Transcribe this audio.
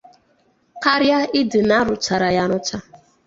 karịa ịdị na-arụ́chara ya arụchara